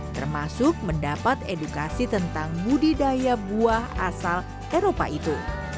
termasuk mendapat edukasi tentang budidaya buah asal eropa itu